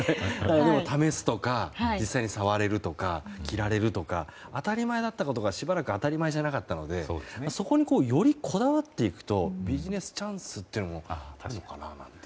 試すとか実際に触れるとか着られるとか当たり前だったことが、しばらく当たり前じゃなかったのでそこに、よりこだわっていくとビジネスチャンスっていうのもあるのかなって。